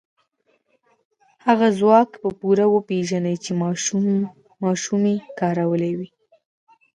هغه ځواک به پوره وپېژنئ چې ماشومې کارولی و.